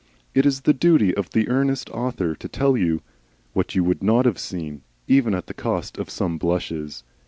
It is the duty of the earnest author to tell you what you would not have seen even at the cost of some blushes.